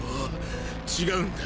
違うんだ。